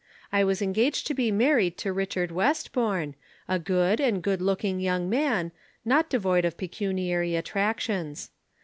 I was engaged to be married to Richard Westbourne a good and good looking young man, not devoid of pecuniary attractions.